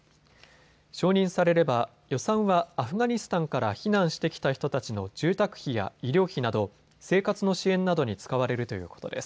承認されれば予算はアフガニスタンから避難してきた人たちの住宅費や医療費など生活の支援などに使われるということです。